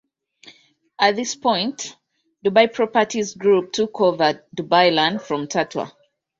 At this point, Dubai Properties Group took over Dubailand from Tatweer.